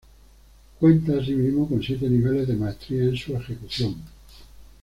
Cuenta asimismo, con siete niveles de maestría en su ejecución.